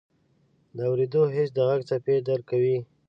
د اورېدو حس د غږ څپې درک کوي.